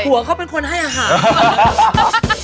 หัวเขาเป็นคนให้อาหาร